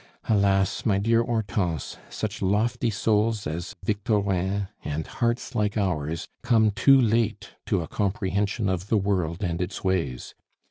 Alas! my dear Hortense, such lofty souls as Victorin and hearts like ours come too late to a comprehension of the world and its ways!